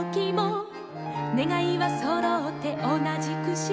「ねがいはそろって同じ串」